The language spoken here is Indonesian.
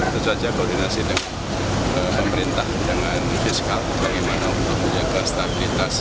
tentu saja koordinasi dengan pemerintah dengan fiskal bagaimana untuk menjaga stabilitas